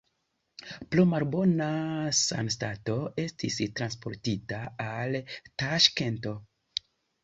Pro malbona sanstato estis transportita al Taŝkento.